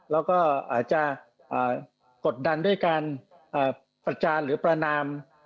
แล้วก็อาจจะกดดันด้วยการประจานหรือประนาม